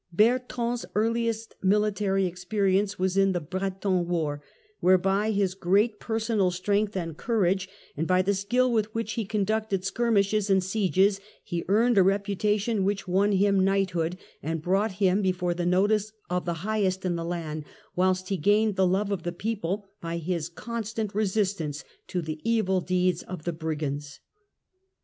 Bertrand's earliest military experience was in the Bre ton war, where by his great personal strength and cour age and by the skill with which he conducted skirmishes and sieges he earned a reputation which won him knighthood, and brought him before the notice of the highest in the land, whilst he gained the love of the people by his constant resistance to the evil deeds of the brigands.